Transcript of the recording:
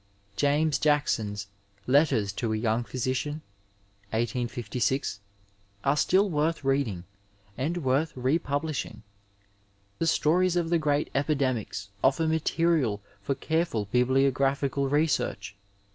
James Jackson's Letters to a Young Physician, 1856, are still worth reading — and worth re publishing. The stories of the great epidemics offer material for care ful bibliographical research.